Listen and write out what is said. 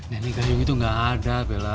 nenek gayung itu gak ada bella